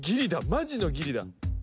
マジのギリだ。